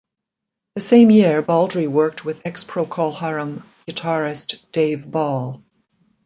The same year, Baldry worked with ex-Procol Harum guitarist Dave Ball.